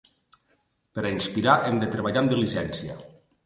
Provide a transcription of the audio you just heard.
Per a inspirar hem de treballar amb diligència.